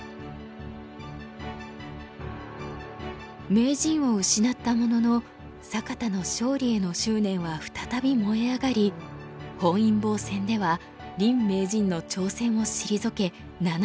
名人を失ったものの坂田の勝利への執念は再び燃え上がり本因坊戦では林名人の挑戦を退け７連覇を達成。